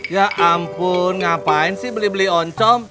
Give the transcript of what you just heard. ya ampun ngapain sih beli beli oncom